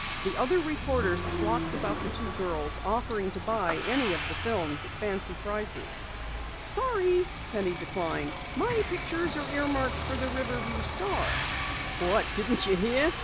The other reporters flocked about the two girls, offering to buy any of the films at fancy prices. "Sorry," Penny declined. "My pictures are earmarked for the Riverview Star." "What? Didn't you hear?"